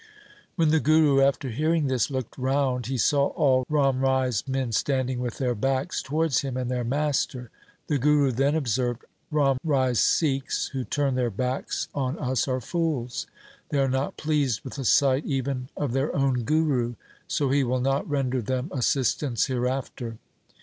When the Guru after hearing this looked round, he saw all Ram Rai's men standing with their backs towards him and their master. The Guru then observed, ' Ram Rai's Sikhs who turn their backs on us are fools. They are not pleased with the sight even of their own guru, so he will not render them assistance hereafter.'